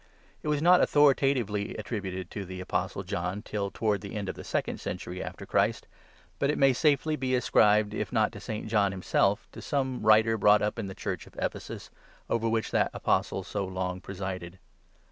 It was not authorita tively attributed to the Apostle John till towards the end of the Second Century after Christ ; but it may safely be ascribed, if not to St. John himself, to some writer brought up in the Church of Ephesus, over which that Apostle so long presided.